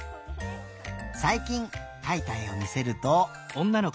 さいきんかいたえをみせると。